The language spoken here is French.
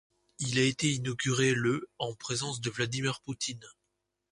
Il a été inauguré le en présence de Vladimir Poutine.